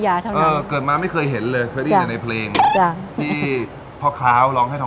อ้าวเดี๋ยวขอเมนูหน่อยแล้วนะครับ